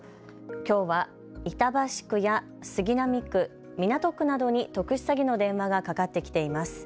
きょうは板橋区や杉並区、港区などに特殊詐欺の電話がかかってきています。